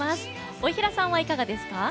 大平さんはいかがですか？